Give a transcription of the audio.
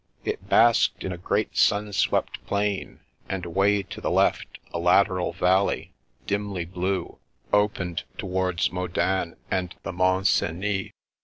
It basked in a great stm swept plain, and away to the left a lateral valley, dimly blue, opened towards Mo dane and the Mont Cenis.